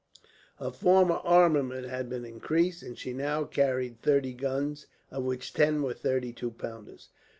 Her former armament had been increased and she now carried thirty guns, of which ten were thirty two pounders.